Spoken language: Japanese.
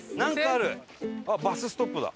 あっバスストップだ。